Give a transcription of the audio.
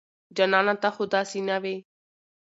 جانانه ته خو داسې نه وې